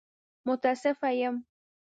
متاسفه يم!